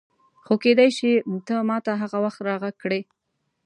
خو کېدای شي ته ما ته هغه وخت راغږ کړې.